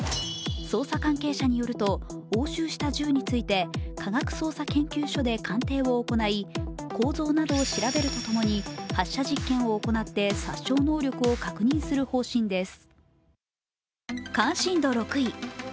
捜査関係者によると押収した銃について科学捜査研究所で鑑定を行い、構造などを調べるとともに発射実験を行って殺傷能力を確認する方針です。